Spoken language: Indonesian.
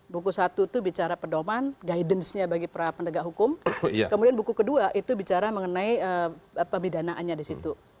buku satu itu bicara pedoman guidance nya bagi para pendegah hukum kemudian buku kedua itu bicara mengenai pemidanaannya di situ